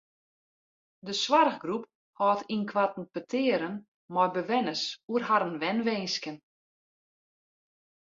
De soarchgroep hâldt ynkoarten petearen mei bewenners oer harren wenwinsken.